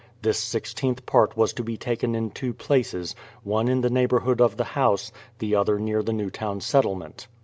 This i6th part was to be taken in two places, — one in the neighbourhood of the house, the other near the Newtown settlement.